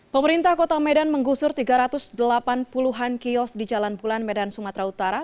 pemerintah kota medan menggusur tiga ratus delapan puluh an kios di jalan bulan medan sumatera utara